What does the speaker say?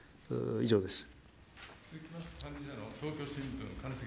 以上です。